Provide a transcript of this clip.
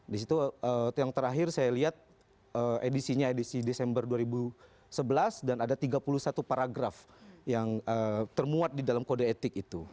di situ yang terakhir saya lihat edisinya edisi desember dua ribu sebelas dan ada tiga puluh satu paragraf yang termuat di dalam kode etik itu